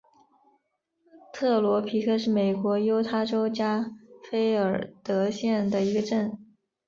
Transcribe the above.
特罗皮克是美国犹他州加菲尔德县的一个镇。